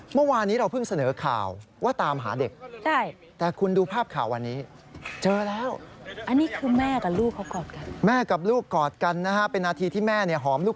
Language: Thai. เมื่อวานนี้เราเพิ่งเสนอข่าวว่าตามหาเด็ก